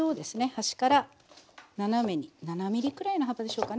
端から斜めに７ｍｍくらいの幅でしょうかね。